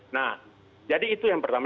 nah jadi itu yang pertama